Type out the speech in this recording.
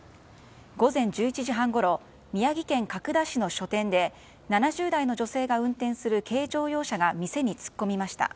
午前１１時半ごろ宮城県角田市の書店で７０代の女性が運転する軽乗用車が店に突っ込みました。